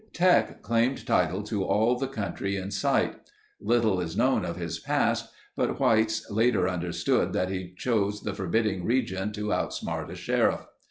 Teck claimed title to all the country in sight. Little is known of his past, but whites later understood that he chose the forbidding region to outsmart a sheriff.